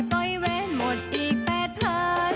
ไปแวนหมดอีกแปดพัน